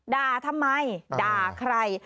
ด่าทำไมด่าใคร